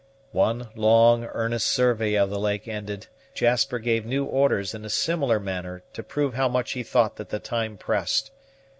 One long, earnest survey of the lake ended, Jasper gave new orders in a similar manner to prove how much he thought that the time pressed.